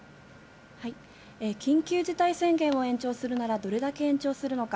緊急事態宣言を延長するなら、どれだけ延長するのか。